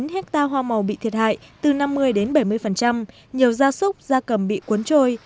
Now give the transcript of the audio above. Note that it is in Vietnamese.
một trăm linh chín ha hoa màu bị thiệt hại từ năm mươi đến bảy mươi nhiều da súc da cầm bị cuốn trôi